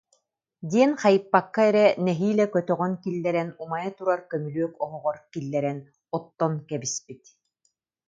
диэн хайыппакка эрэ, нэһиилэ көтөҕөн киллэрэн, умайа турар көмүлүөк оһоҕор киллэрэн оттон кэбиспит